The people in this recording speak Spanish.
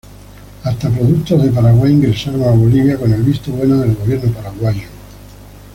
Hasta productos de Paraguay ingresaron a Bolivia con el visto bueno del Gobierno paraguayo.